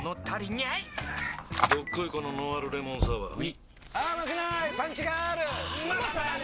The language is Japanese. どっこいこのノンアルレモンサワーうぃまさに！